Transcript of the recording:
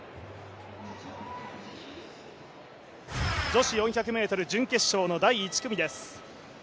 女子４００ｍ準決勝の第１組です